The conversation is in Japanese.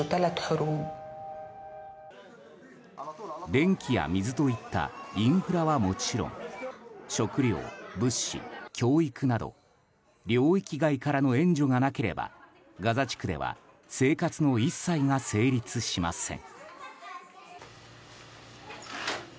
電気や水といったインフラはもちろん食料、物資、教育など領域外からの援助がなければガザ地区では生活の一切が成立しません。